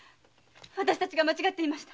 私たちが間違っていました。